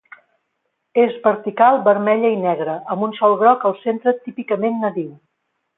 És vertical vermella i negre amb un sol groc al centre típicament nadiu.